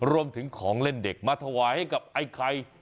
รวมถึงของเล่นเด็กมาถวายให้กับไอ้ใคร